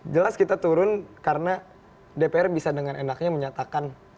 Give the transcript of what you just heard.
jelas kita turun karena dpr bisa dengan enaknya menyatakan